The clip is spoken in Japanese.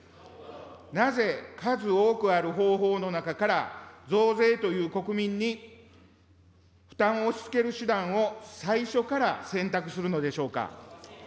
なぜ数多くある方法の中から、増税という国民に負担を押しつける手段を最初から選択するのでしょうか。